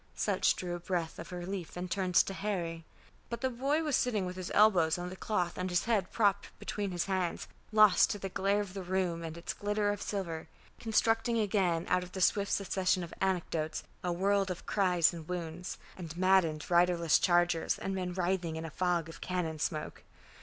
Sutch drew a breath of relief and turned to Harry. But the boy was sitting with his elbows on the cloth and his head propped between his hands, lost to the glare of the room and its glitter of silver, constructing again out of the swift succession of anecdotes a world of cries and wounds, and maddened riderless chargers and men writhing in a fog of cannon smoke.